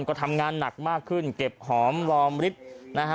ก็ทำงานหนักมากขึ้นเก็บหอมลอมลิฟท์